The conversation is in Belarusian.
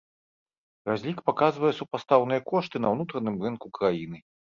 Разлік паказвае супастаўныя кошты на ўнутраным рынку краіны.